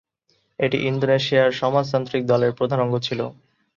এটি ইন্দোনেশিয়ার সমাজতান্ত্রিক দলের প্রধান অঙ্গ ছিল।